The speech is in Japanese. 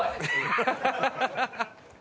ハハハハ！